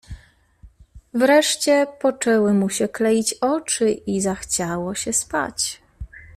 "Wreszcie poczęły mu się kleić oczy i zachciało się spać."